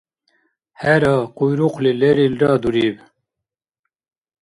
ХӀера, къуйрукъли лерилра дуриб.